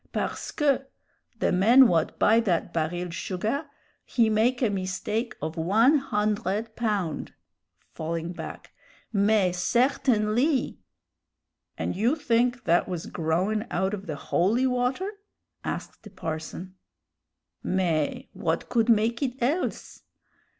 Parceque, the man what buy that baril sugah he make a mistake of one hundred pound" falling back "mais certainlee!" "And you think that was growin' out of the holy water?" asked the parson. "Mais, what could make it else?